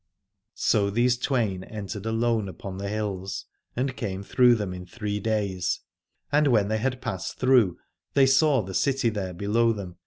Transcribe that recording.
So these twain entered alone upon the hills, and came through them in three days : and when they had passed through they saw the city there below them.